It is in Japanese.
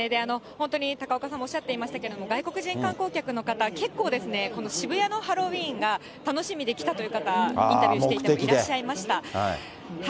本当に高岡さんもおっしゃっていましたけれども、外国人観光客の方、結構、渋谷のハロウィーンが楽しみで来たという方、インタビューしてもいらっしゃいました。